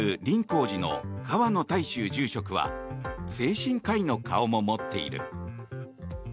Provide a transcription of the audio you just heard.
香寺の川野泰周住職は精神科医の顔も持っている。